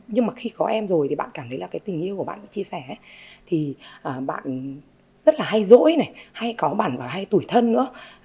nhưng mà khi có em rồi thì bạn cảm thấy là cái tình yêu của bạn chia sẻ thì bạn rất là hay rỗi này hay có bản vào hay tuổi thân nữa